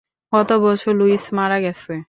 গতবছর লুইস মারা গেছে।